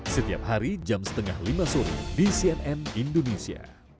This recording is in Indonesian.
setiap hari jam setengah lima sore di cnn indonesia